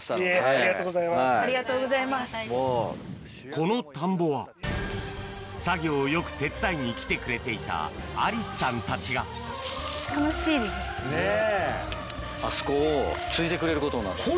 この田んぼは作業をよく手伝いに来てくれていた愛梨朱さんたちがホントに？あそこを？